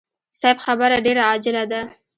صيب خبره ډېره عاجله ده.